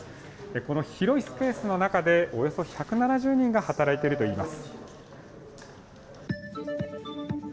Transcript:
この広いスペースの中でおよそ１７０人が働いているといいます